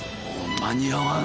間に合わん！